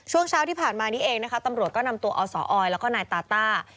ช่วงเช้าที่ผ่านมานี้เองนะคะตำรวจก็นำตัวอศออยแล้วก็นายตาต้า